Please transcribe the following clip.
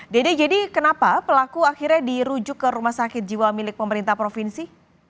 dede jadi kenapa pelaku akhirnya dirujuk ke rumah sakit jiwa milik pemerintah provinsi